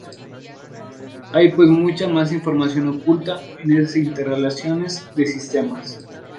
Hay, pues, mucha más información oculta en esas interrelaciones de sistemas.